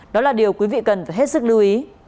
đó là điều quý vị cần phải hết sức lưu ý